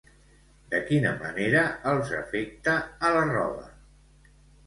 De quina manera els afecta a la roba?